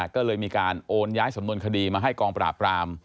ก็เลยมีการโอนย้ายสำนวนคดีมาให้กองปราบราม